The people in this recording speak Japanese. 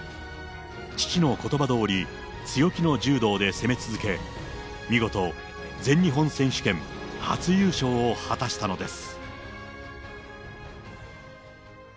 父のことばどおり、強気の柔道で攻め続け、見事、全日本選手権初優勝を果たしたのです。